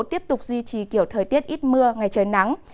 tiếp tục duy trì kiểu thời tiết ít mưa ngày trời nắng